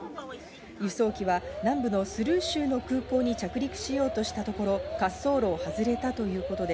輸送機は南部のスルー州の空港に着陸しようとしたところ滑走路を外れたということで、